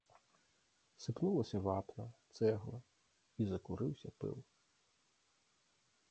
Сыпнулася вапна, цэгла, і закурыўся пыл.